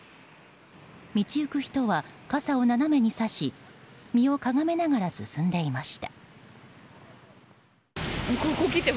道行く人は傘を斜めにさし身をかがめながら進んでいました。